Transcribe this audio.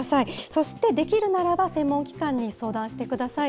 そして、できるならば、専門機関に相談してください。